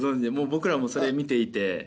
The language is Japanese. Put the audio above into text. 僕らもそれ見ていて。